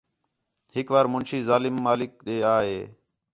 ہِک وار مُنشی ظالم مالک ݙے آ ہے